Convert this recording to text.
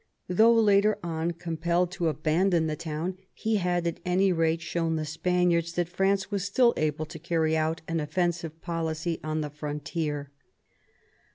Though later on compelled to abandon the town, he had, at any rate, shown the Spaniards that France was still able to carry out an offensive policy on the frontier.